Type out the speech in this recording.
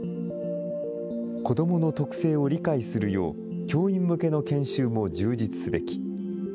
子どもの特性を理解するよう、教員向けの研修も充実すべき。